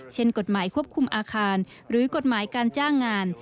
กฎหมายควบคุมอาคารหรือกฎหมายการจ้างงาน